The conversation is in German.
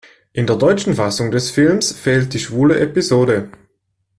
In der deutschen Fassung des Films fehlt die schwule Episode.